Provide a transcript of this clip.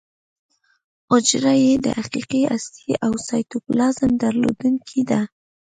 حجره یې د حقیقي هستې او سایټوپلازم درلودونکې ده.